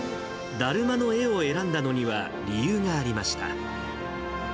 だるまの絵を選んだのには、理由がありました。